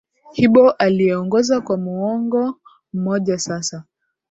hbo aliyeongoza kwa muongo mmoja sasa